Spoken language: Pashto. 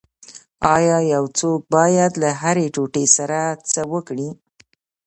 ایا یو څوک باید له هرې ټوټې سره څه وکړي